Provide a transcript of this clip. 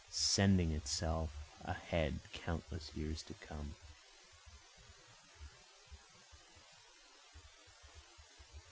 sending itself ahead countless years to come.